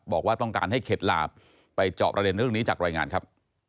บอกว่าต้องการให้เข็ดหลาบไปเจาะประเด็นเรื่องนี้จากรายงานครับ